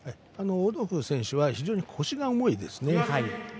オドフー選手は非常に腰が重いですね。